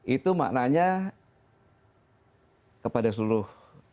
itu maknanya kepada seluruh dua ratus dua belas